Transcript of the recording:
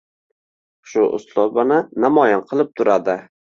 Shu uslubini namoyon qilib turadi.